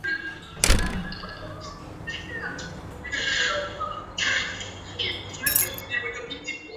哈尔贝格莫斯是德国巴伐利亚州的一个市镇。